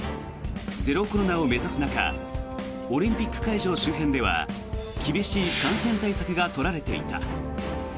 ゼロコロナを目指す中オリンピック会場周辺では厳しい感染対策が取られていた。